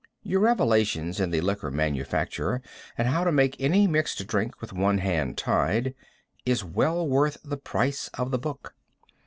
Your revelations in the liquor manufacture, and how to make any mixed drink with one hand tied, is well worth the price of the book.